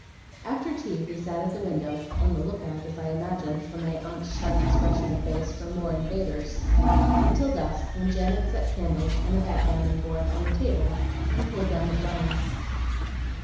After tea, we sat at the window on the look out, as I imagined, from my aunt's sharp expression of face, for more invaders until dusk, when Janet set candles, and a backgammon board, on the table, and pulled down the blinds.